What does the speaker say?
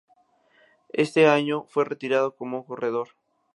Ese año fue retirado como corredor.